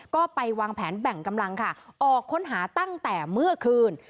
ก็ไปวางแผนแบ่งกำลังค่ะออกค้นหาตั้งแต่เมื่อคืน